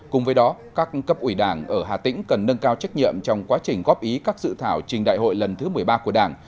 cùng với đó các cấp ủy đảng ở hà tĩnh cần nâng cao trách nhiệm trong quá trình góp ý các dự thảo trình đại hội lần thứ một mươi ba của đảng